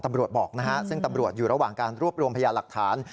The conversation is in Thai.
ตำรวจบอกนะฮะซึ่งตำรวจอยู่ระหว่างการรวบรวมพยาหลักฐาน